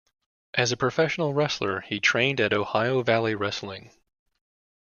As a professional wrestler, he trained at Ohio Valley Wrestling.